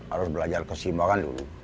harus belajar kesimbangan dulu